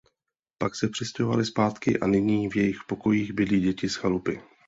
Pak se přestěhovaly zpátky a nyní v jejich pokojích bydlí děti z Chalupy.